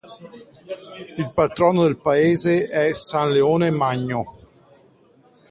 Il patrono del paese è San Leone Magno.